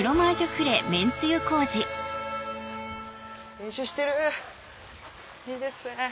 練習してるいいですね。